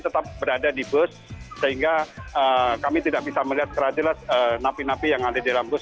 tetap berada di bus sehingga kami tidak bisa melihat secara jelas napi napi yang ada di dalam bus